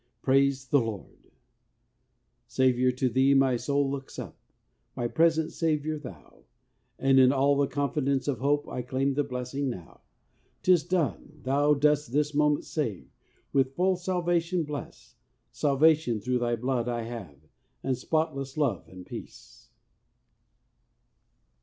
Praise the Lord ! Saviour, to Thee my soul looks up, My present Saviour Thou ; In all the confidence of hope I claim the blessing now. 'Tis done I Thou dost this moment save. With full Salvation bless ; Salvation through Thy Blood I have. And spotless love and peace.